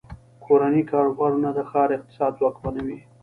کورني کاروبارونه د ښار اقتصاد ځواکمنوي.